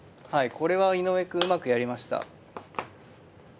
これは井上くんうまくやりました。